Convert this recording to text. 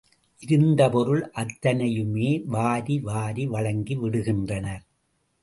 இருந்த பொருள் அத்தனையையுமே வாரி வாரி வழங்கி விடுகின்றனர்.